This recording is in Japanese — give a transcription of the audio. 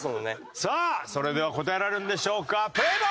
さあそれでは答えられるんでしょうか？